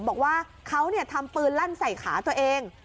บอกว่าเขาทำปืนลั่นใส่ขาตัวเอง